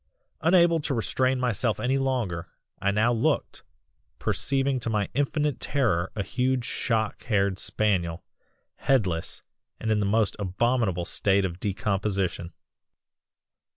"Unable to restrain myself any longer, I now looked, perceiving to my infinite terror a huge shock haired spaniel, headless, and in the most abominable state of decomposition.